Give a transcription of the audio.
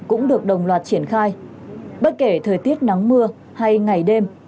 và triển khai bất kể thời tiết nắng mưa hay ngày đêm